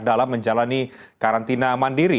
dalam menjalani karantina mandiri